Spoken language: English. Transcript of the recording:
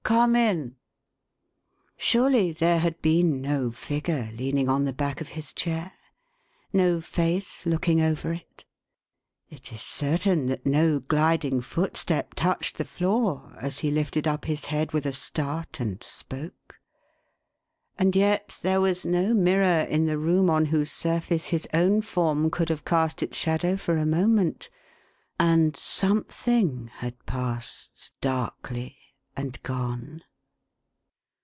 « Come in !" Surely there had been no figure leaning on the back of his chair, no face looking over it. It is certain that no gliding MR. WILLIAM SWIDGER. 423 footstep touched the floor, as he lifted up his head with a start, and spoke. And yet there was no mirror in the room on whose surface his own form could have cast its shadow for a moment ; and Something had passed darkly and gone